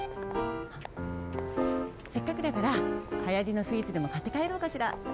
せっかくだからはやりのスイーツでもかってかえろうかしら。